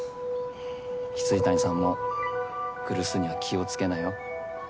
未谷さんも来栖には気を付けなよ。